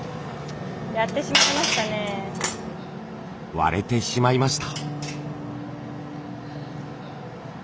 割れてしまいました。